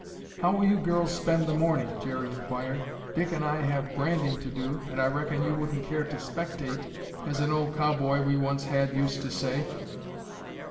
"How will you girls spend the morning?" Jerry inquired. "Dick and I have branding to do and I reckon you wouldn't care to 'spectate' as an old cowboy we once had used to say."